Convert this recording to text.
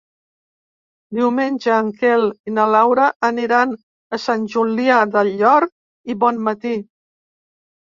Diumenge en Quel i na Laura aniran a Sant Julià del Llor i Bonmatí.